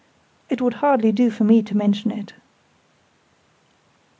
It would hardly do for me to mention it."